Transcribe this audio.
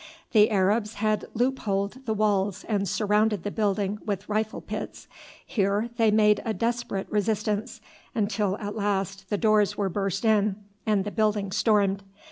The Arabs had loopholed the walls and surrounded the building with rifle pits. Here they made a desperate resistance, until at last the doors were burst in and the building stormed.